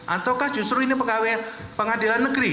ataukah justru ini pengadilan negeri